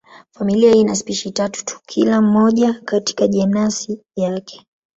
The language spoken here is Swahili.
Familia hii ina spishi tatu tu, kila moja katika jenasi yake.